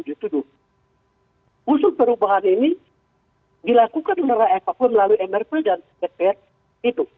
usul perubahan ini dilakukan oleh rakyat papua melalui mrp dan ppt itu